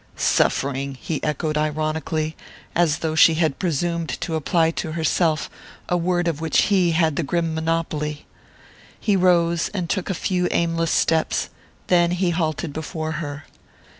"Suffering!" he echoed ironically, as though she had presumed to apply to herself a word of which he had the grim monopoly. He rose and took a few aimless steps; then he halted before her.